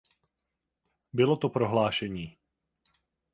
Bylo to prohlášení.